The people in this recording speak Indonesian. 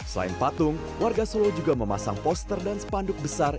selain patung warga solo juga memasang poster dan sepanduk besar